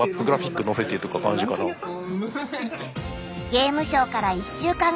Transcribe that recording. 「ゲームショウ」から１週間後。